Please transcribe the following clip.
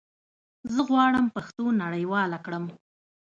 زه غواړم پښتو نړيواله کړم